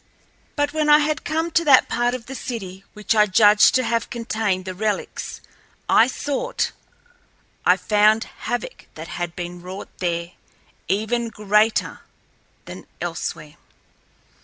But when I had come to that part of the city which I judged to have contained the relics I sought I found havoc that had been wrought there even greater than elsewhere.